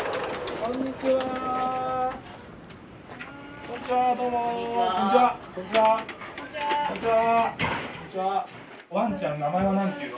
こんにちは。